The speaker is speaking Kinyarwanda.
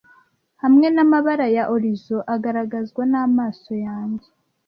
Hamwe namabara ya horizon agaragazwa namaso yanjye.